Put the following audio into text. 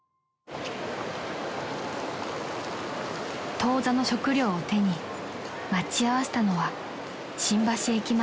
［当座の食料を手に待ち合わせたのは新橋駅前］